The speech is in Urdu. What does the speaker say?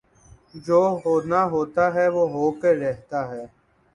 جو ہونا ہوتاہےوہ ہو کر رہتا ہے